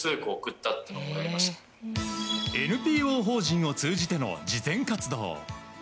ＮＰＯ法人を通じての慈善活動。